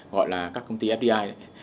gọi là các công ty fdi đấy